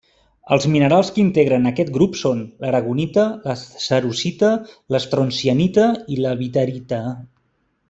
Els minerals que integren aquest grup són: l'aragonita, la cerussita, l'estroncianita i la witherita.